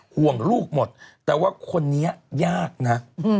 ห่วงลูกหมดแต่ว่าคนนี้ยากนะ